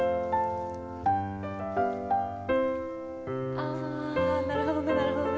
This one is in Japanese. あなるほどねなるほどね。